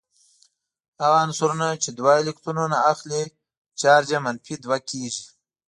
هغه عنصرونه چې دوه الکترونونه اخلې چارج یې منفي دوه کیږي.